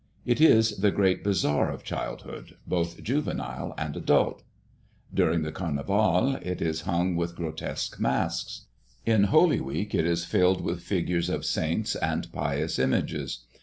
It is the great bazaar of childhood, both juvenile and adult. During the Carnival it is hung with grotesque masks; in Holy Week it is filled with figures of saints and pious images.